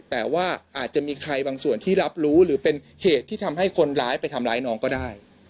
แต่ว่าอาจจะมีใครบางส่วนที่รับรู้หรือเป็นเหตุที่ทำให้คนร้ายไปทำร้ายน้องก็ได้